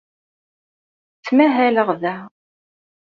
Ttmahaleɣ da.